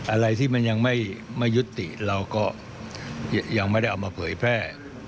อะไรที่มันยังไม่ยุติเราก็ยังไม่ได้เอามาเผยแพร่